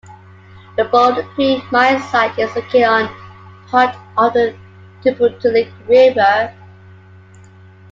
The Boulder Creek mine site is located on part of the Tubutulik River.